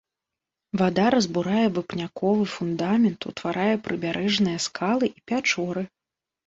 Вада разбурае вапняковы фундамент, утварае прыбярэжныя скалы і пячоры.